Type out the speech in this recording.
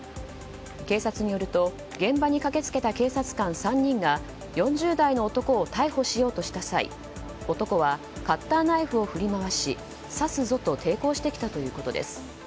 警察によると現場に駆け付けた警察官３人が４０代の男を逮捕しようとした際男はカッターナイフを振り回し刺すぞと抵抗してきたということです。